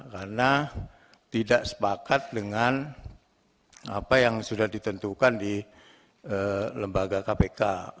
karena tidak sepakat dengan apa yang sudah ditentukan di lembaga kpk